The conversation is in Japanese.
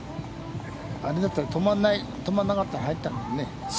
あれだったら、止まらなかったら入ったかもね。